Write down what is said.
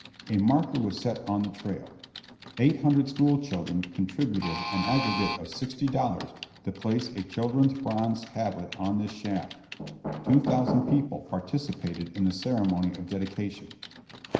A marker was set on the trail. Eight hundred school children contributed an aggregate of sixty dollars to place a children's bronze tablet on this shaft. Two thousand people participated in the ceremony of dedication.